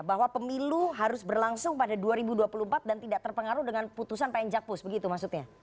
bahwa pemilu harus berlangsung pada dua ribu dua puluh empat dan tidak terpengaruh dengan putusan pn jakpus begitu maksudnya